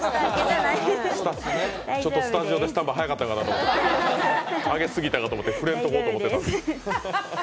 ちょっとスタジオでスタンバイ早かったかなと、揚げすぎたかなと思って触れんとこと思ってたんです。